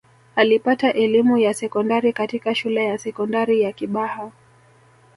alipata elimu ya sekondari katika shule ya sekondari ya kibaha